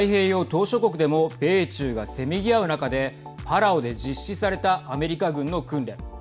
島しょ国でも米中がせめぎ合う中でパラオで実施されたアメリカ軍の訓練。